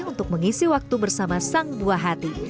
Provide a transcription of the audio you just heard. untuk mengisi waktu bersama sang buah hati